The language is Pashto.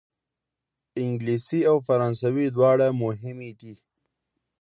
انګلیسي او فرانسوي دواړه مهمې دي.